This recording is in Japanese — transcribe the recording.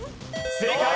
正解！